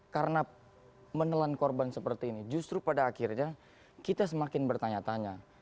karena menelan korban seperti ini justru pada akhirnya kita semakin bertanya tanya